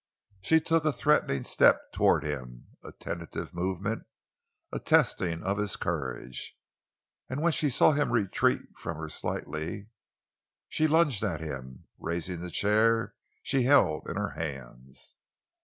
She took a threatening step toward him; a tentative movement, a testing of his courage. And when she saw him retreat from her slightly, she lunged at him, raising the chair she held in her hands.